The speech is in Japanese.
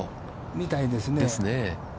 みたいですね。